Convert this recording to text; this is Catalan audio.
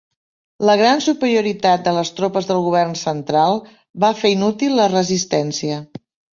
La gran superioritat de les tropes del govern central va fer inútil la resistència.